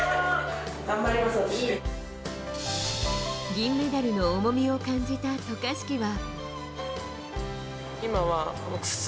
銀メダルの重みを感じた渡嘉敷は。